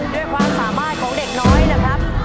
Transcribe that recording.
ด้วยความสามารถของเด็กน้อยนะครับ